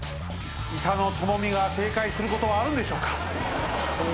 板野友美が正解することはあるんでしょうか。